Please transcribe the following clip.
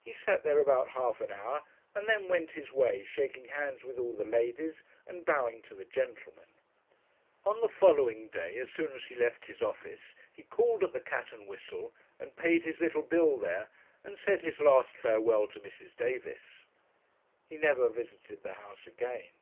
He sat there about half an hour, and then went his way, shaking hands with all the ladies and bowing to the gentlemen. On the following day, as soon as he left his office, he called at the 'Cat and Whistle,' and paid his little bill there, and said his last farewell to Mrs. Davis. He never visited the house again.